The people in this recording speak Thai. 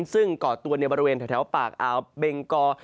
ซึ่งก่อตัวในบริเวณแถวปากอ่าวเบงกอ